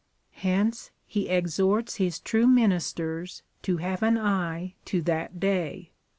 Hence he exhorts His true ministers to have an eye to that day.